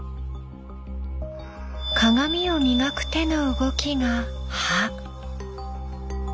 鏡を磨く手の動きが「ハ」。